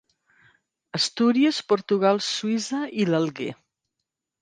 Astúries, Portugal, Suïssa i l'Alguer.